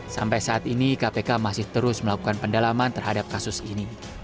sampai saat ini kpk masih terus melakukan pendalaman terhadap kasus ini